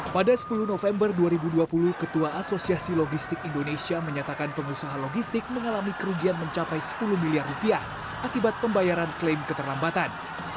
pada sepuluh november dua ribu dua puluh ketua asosiasi logistik indonesia menyatakan pengusaha logistik mengalami kerugian mencapai sepuluh miliar rupiah akibat pembayaran klaim keterlambatan